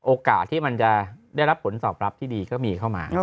โอกาสที่มันจะได้รับผลตอบรับที่ดีก็มีเข้ามา